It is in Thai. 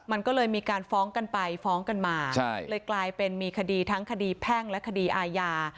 มันก็เลยมีการฟ้องกันไปฟ้องกันมาใช่เลยกลายเป็นมีคดีทั้งคดีแพ่งและคดีอาญา